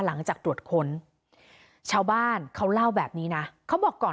หลังจากตรวจฉนติด